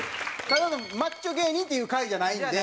ただのマッチョ芸人っていう回じゃないんで。